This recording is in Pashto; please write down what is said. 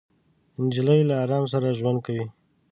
نجلۍ له ارام سره ژوند کوي.